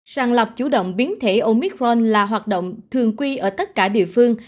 sàng lọc chủ động biến thể omicron là hoạt động thường quy ở tất cả địa phương